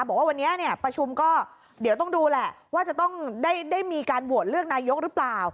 บอกว่าวันนี้ประชุมก็เดี๋ยวต้องดูแหละว่าจะต้องได้มีการโหวตเลือกนายกหรือเปล่า